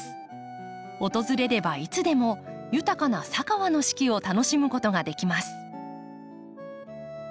訪れればいつでも豊かな佐川の四季を楽しむことができます。